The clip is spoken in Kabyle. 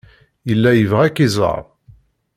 Yella yebɣa ad k-iẓer.